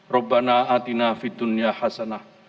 rabbana atina fi dunya hasanah